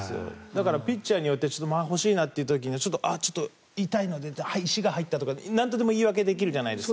ピッチャーによっては間が欲しいなという時痛いので、石が入ったとかなんとでも言い訳できるじゃないですか。